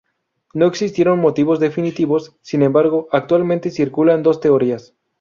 No existieron motivos definitivos, sin embargo, actualmente circulan dos teorías.